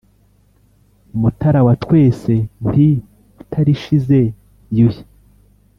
mutara wa twese nti utarishize, yuhi